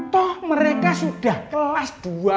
toh mereka sudah kelas dua